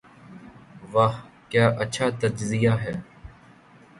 '' واہ کیا اچھا تجزیہ ہے۔